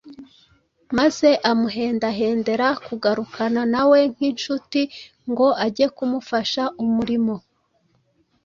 maze amuhendahendera kugarukana nawe nk’incuti ngo ajye kumufasha umurimo.